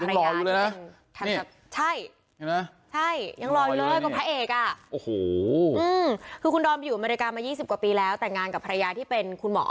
ยังรออยู่เลยนะนี่ใช่ใช่ยังรออยู่เลยคนพระเอกอ่ะโอ้โหคือคุณดอลไปอยู่อเมริกามายี่สิบกว่าปีแล้วแต่งงานกับภรรยาที่เป็นคุณหมอ